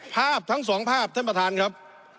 ภาพทั้งสองภาพท่านประธานครับ